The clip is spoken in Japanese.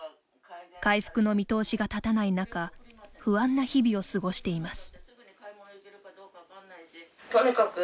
回復の見通しが立たない中不安な日々を過ごしています。